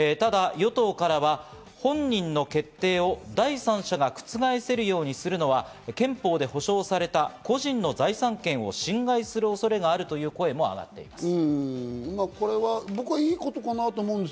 ただ与党からは本人の決定を第三者が覆せるようにするのは憲法で保障された個人の財産権を侵害する恐れがあるという声も上がっています。